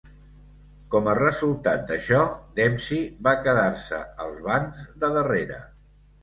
Com a resultat d'això, Dempsey va quedar-se als bancs de darrere.